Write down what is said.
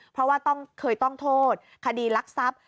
เพราะว่าต้องเคยต้องโทษคดีรักทรัพย์